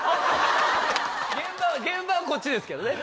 現場はこっちですけどね。